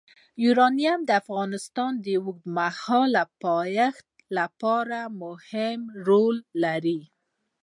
یورانیم د افغانستان د اوږدمهاله پایښت لپاره مهم رول لري.